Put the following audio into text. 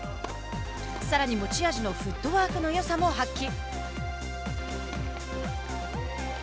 さらに持ち味のフットワークのよさも発揮。